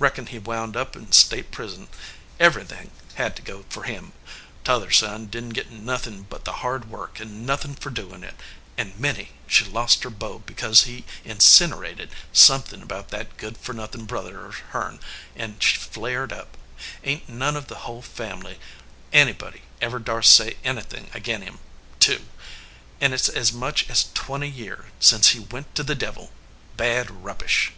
Reckon he wound up in state prison. Everything had to go for him. T other son didn t git nothin but the hard work, an nothin for doin it. And Minnie, she lost her beau because he insinnerated somethin about that good for nothin brother of hern, an 305 EDGEWATER PEOPLE she flared up. Ain t none of the hull family any body ever darse say anythin ag in him to; an it s as much as twenty year since he went to the devil. Bad rubbish!"